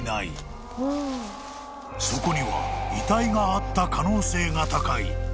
［そこには遺体があった可能性が高い］